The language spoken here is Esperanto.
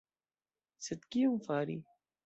Sed kion fari?!